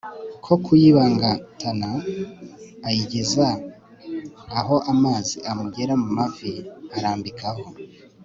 ko kuyibangatana ayigeza aho amazi amugera mu mavi arambika aho